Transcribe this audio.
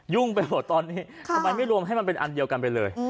ไปหมดตอนนี้ทำไมไม่รวมให้มันเป็นอันเดียวกันไปเลย